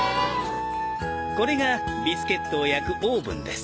これがビスケットを焼くオーブンです。